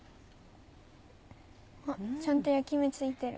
あっちゃんと焼き目ついてる。